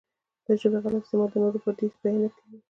د ژبې غلط استعمال نورو بدۍ بيانې کړي.